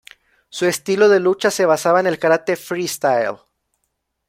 Su estilo de lucha se basaba en el "karate freestyle".